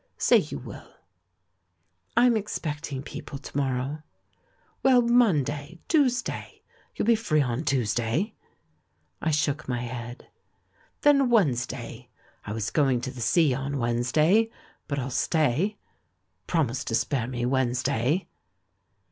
Say you will!" "I'm expecting people to morrow." "Well, Monday? Tuesday? You'll be free on Tuedsay?" I shook my head. "Then Wednesday ? I w^as going to the sea on Wednesday, but I'll stay. Promise to spare me Wednesday."